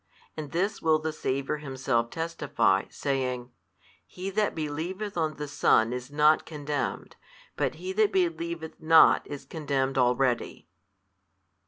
And this will the Saviour Himself testify, saying, He that believeth on the Son is not condemned, but he that believeth not is condemned already.